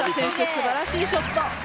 すばらしいショット。